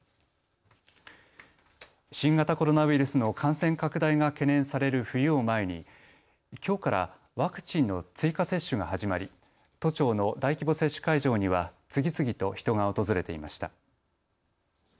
新型コロナウイルスの感染拡大が懸念される冬を前にきょうからワクチンの追加接種が始まり都庁の大規模接種会場には次々と人が訪れていました。